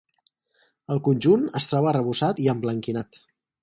El conjunt es troba arrebossat i emblanquinat.